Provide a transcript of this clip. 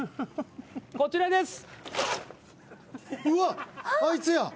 こちらです。